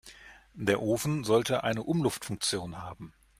Der Ofen sollte eine Umluftfunktion haben.